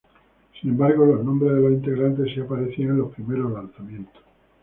Sin embargo los nombres de los integrantes si aparecían en los primeros lanzamientos.